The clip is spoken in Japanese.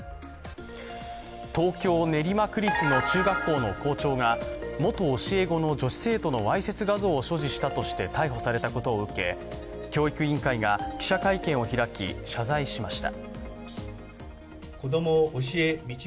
東京練馬区立の中学校の校長が元教え子の女子生徒のわいせつ画像を所持したとして逮捕されたことを受け、教育委員会が記者会見を開き、謝罪しました。